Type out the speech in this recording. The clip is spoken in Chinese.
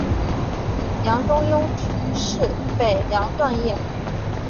梁中庸初仕北凉段业。